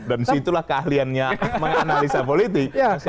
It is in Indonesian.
dan situlah keahliannya menganalisa politik mas nyaru ya